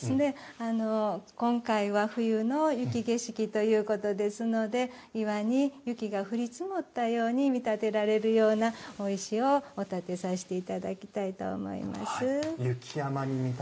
今回は冬の雪景色ということですので岩に雪が降り積もったように見立てられるようなお石をお立てさせていただきたいと思います。